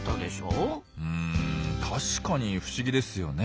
うん確かに不思議ですよね。